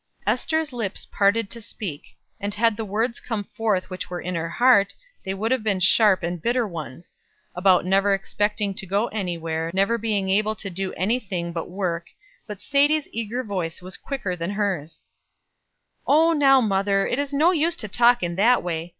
Ester's lips parted to speak; and had the words come forth which were in her heart, they would have been sharp and bitter ones about never expecting to go anywhere, never being able to do any thing but work; but Sadie's eager voice was quicker than hers: "Oh now, mother, it is no use to talk in that way.